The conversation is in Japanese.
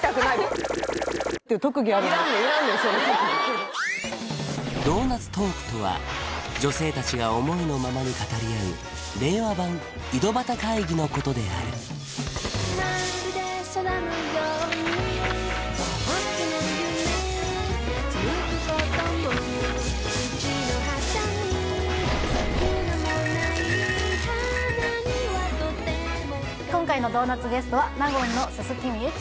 その特技ドーナツトークとは女性達が思いのままに語り合う令和版井戸端会議のことである今回のドーナツゲストは納言の薄幸さんです